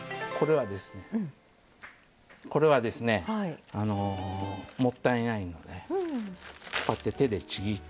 これはですねもったいないのでこうやって手でちぎって。